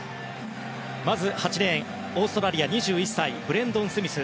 まず８レーンオーストラリア、２１歳ブレンドン・スミス。